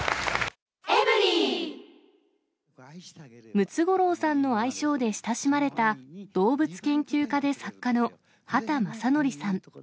ムツゴロウさんの愛称で親しまれた、動物研究家で作家の畑正憲さん。